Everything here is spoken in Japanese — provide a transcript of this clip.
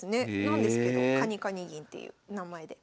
なんですけどカニカニ銀っていう名前で。